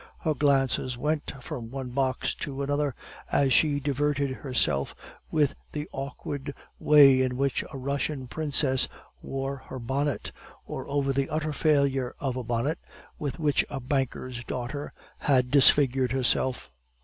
Her glances went from one box to another, as she diverted herself with the awkward way in which a Russian princess wore her bonnet, or over the utter failure of a bonnet with which a banker's daughter had disfigured herself.